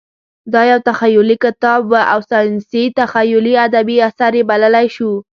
دا یو تخیلي کتاب و او ساینسي تخیلي ادبي اثر یې بللی شو.